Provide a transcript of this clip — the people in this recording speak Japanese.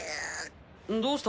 どうした？